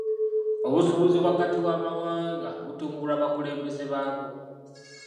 Obusuubuzi wakati w'amawanga gano butumbulwa bakulembeze baago.